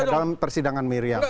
ini dalam persidangan miriam